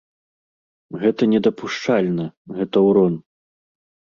Гэта недапушчальна, гэта ўрон.